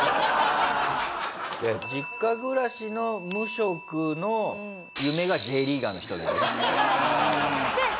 実家暮らしの無職の夢がＪリーガーの人だよね。